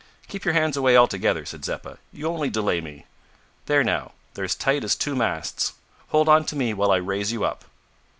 "Keep your hands away altogether," said Zeppa; "you only delay me. There now, they're as tight as two masts. Hold on to me while I raise you up."